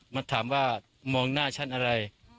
มาถามว่ามองหน้าฉันอะไร